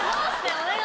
お願い。